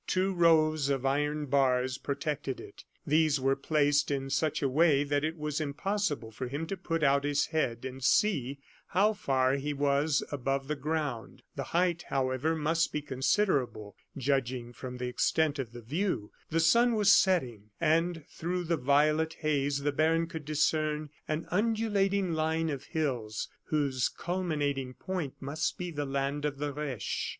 Two rows of iron bars protected it. These were placed in such a way that it was impossible for him to put out his head and see how far he was above the ground. The height, however, must be considerable, judging from the extent of the view. The sun was setting; and through the violet haze the baron could discern an undulating line of hills, whose culminating point must be the land of the Reche.